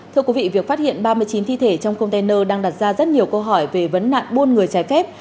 thưa quý vị việc phát hiện ba mươi chín thi thể trong container đang đặt ra rất nhiều câu hỏi về vấn nạn buôn người trái phép